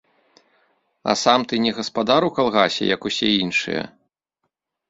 А сам ты не гаспадар у калгасе, як усе іншыя?